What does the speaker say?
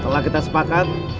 setelah kita sepakat